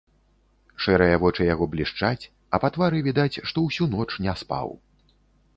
Шэрыя вочы яго блішчаць, а па твары відаць, што ўсю ноч не спаў.